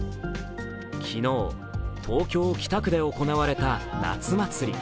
昨日、東京・北区で行われた夏祭り。